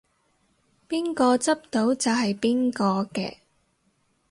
邊個執到就係邊個嘅